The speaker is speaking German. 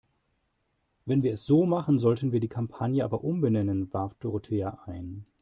Wenn wir es so machen, sollten wir die Kampagne aber umbenennen, warf Dorothea ein.